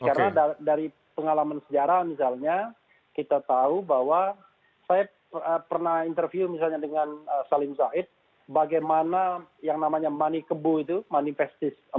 karena dari pengalaman sejarah misalnya kita tahu bahwa saya pernah interview misalnya dengan salim zaid bagaimana yang namanya mani kebu itu manifestis manifestis